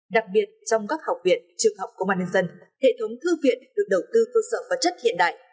đặc biệt trong các học viện trường học công an nhân dân hệ thống thư viện được đầu tư cơ sở vật chất hiện đại